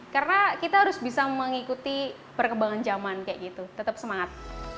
karena kita harus bisa mengikuti perkembangan zaman kayak gitu tetap semangat